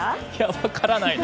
分からないな。